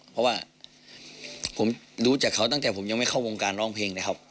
เพราะว่าผมดูจากเขาตั้งแต่ผมยังไม่เข้าวงการร้องเพลงเลยครับ